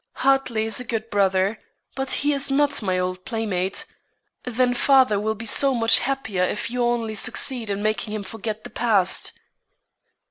Hartley is a good brother, but he is not my old playmate. Then father will be so much happier if you only succeed in making him forget the past."